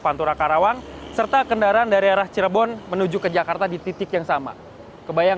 pantura karawang serta kendaraan dari arah cirebon menuju ke jakarta di titik yang sama kebayang